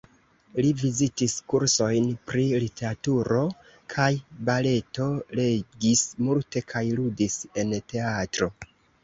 Li vizitis kursojn pri literaturo kaj baleto, legis multe kaj ludis en teatro.